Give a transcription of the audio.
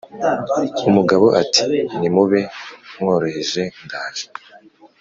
Umugabo Ati: "Nimube mworoheje ndaje